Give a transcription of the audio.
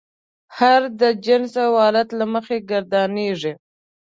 هر د جنس او حالت له مخې ګردانیږي.